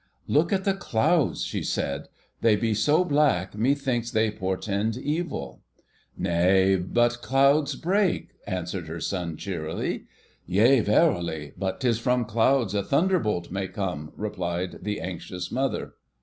'Look at the clouds,' she said; 'they be so black, methinks they portend evil.' 'Nay, but clouds break,' answered her son cheerily. 'Yea! Verily! But 'tis from clouds a thunderbolt may come,' replied the anxious mother.